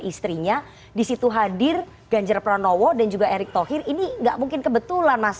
istrinya disitu hadir ganjar pranowo dan juga erick thohir ini nggak mungkin kebetulan mas